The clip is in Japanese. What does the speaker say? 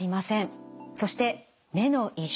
そして目の異常。